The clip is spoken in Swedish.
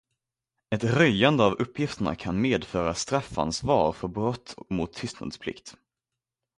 Ett röjande av uppgifterna kan medföra straffansvar för brott mot tystnadsplikt.